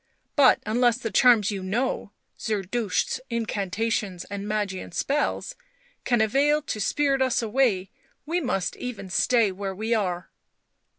" But unless the charms you know, Zerdusht's incantations and Magian spells, can avail to spirit us away we must even stay where we are."